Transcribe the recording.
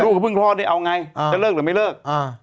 ลูกเขาเพิ่งพอดเอาไงจะเลิกหรือไม่เลิก